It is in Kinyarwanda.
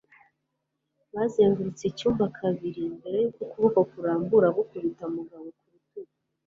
Bazengurutse icyumba kabiri mbere yuko ukuboko kurambura gukubita Mugabo ku rutugu.